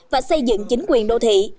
và xây dựng chính quyền đô thị